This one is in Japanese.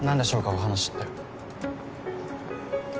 お話って。